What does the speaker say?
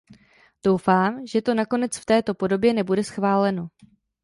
Doufám, že to nakonec v této podobě nebude schváleno.